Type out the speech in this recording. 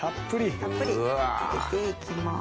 たっぷりかけて行きます。